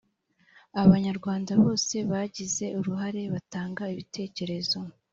abanyarwanda bose bagize uruhare batanga ibitekerezo